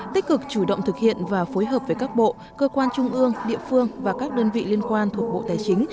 tích cực chủ động thực hiện và phối hợp với các bộ cơ quan trung ương địa phương và các đơn vị liên quan thuộc bộ tài chính